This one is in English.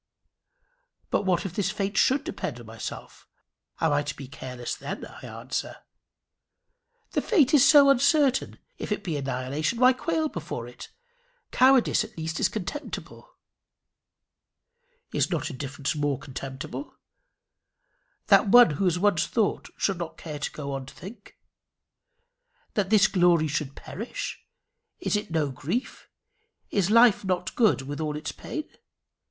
"But what if this fate should depend on myself? Am I to be careless then?" I answer. "The fate is so uncertain! If it be annihilation, why quail before it? Cowardice at least is contemptible." "Is not indifference more contemptible? That one who has once thought should not care to go on to think? That this glory should perish is it no grief? Is life not a good with all its pain?